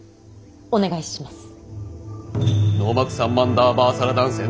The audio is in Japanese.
お願いします。